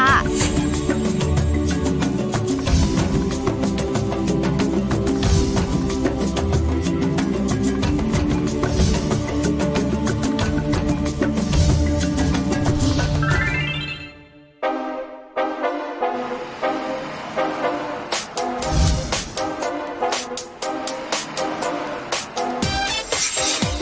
สวัสดีค่ะ